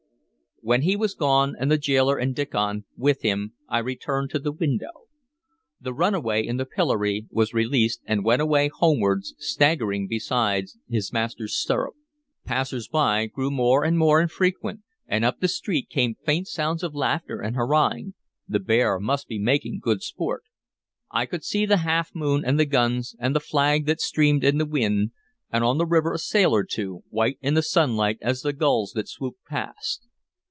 When he was gone, and the gaoler and Diccon with him, I returned to the window. The runaway in the pillory was released, and went away homewards, staggering beside his master's stirrup. Passers by grew more and more infrequent, and up the street came faint sounds of laughter and hurrahing, the bear must be making good sport. I could see the half moon, and the guns, and the flag that streamed in the wind, and on the river a sail or two, white in the sunlight as the gulls that swooped past.